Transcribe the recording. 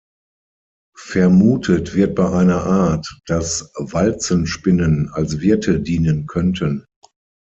Vermutet wird bei einer Art, dass Walzenspinnen als Wirte dienen könnten.